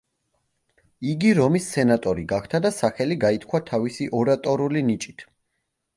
იგი რომის სენატორი გახდა და სახელი გაითქვა თავისი ორატორული ნიჭით.